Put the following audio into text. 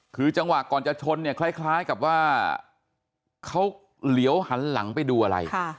คือจังหวะก่อนจะชนเนี่ยคล้ายกับว่าเขาเหลียวหันหลังไปดูอะไร